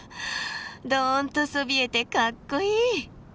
ドンとそびえてかっこいい。